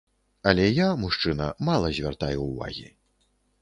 Але я, мужчына, мала звяртаю ўвагі.